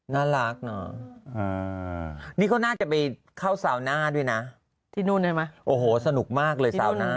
น่ารักน่ะนี่ก็น่าจะไปเข้าซาวน่าด้วยนะที่นู่นเลยมาโอ้โหสนุกมากเลย